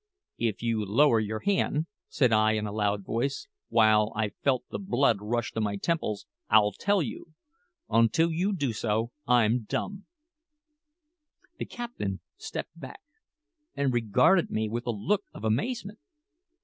"If you lower your hand," said I in a loud voice, while I felt the blood rush to my temples, "I'll tell you. Until you do so, I'm dumb." The captain stepped back and regarded me with a look of amazement.